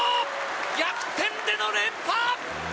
逆転での連覇。